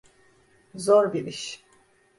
Zor bir iş.